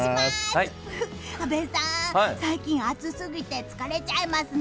阿部さん、最近暑すぎて疲れちゃいますね。